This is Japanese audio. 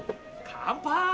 乾杯！